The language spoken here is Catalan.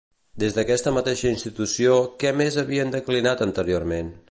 Des d'aquesta mateixa institució, què més havien declinat anteriorment?